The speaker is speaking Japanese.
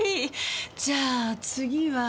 じゃあ次は。